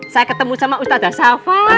saya ketemu sama ustazah shafa